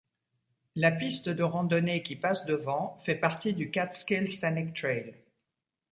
La piste de randonnée qui passe devant fait partie du Catskill Scenic Trail.